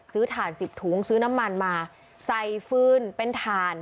ถ่านสิบถุงซื้อน้ำมันมาใส่ฟืนเป็นถ่าน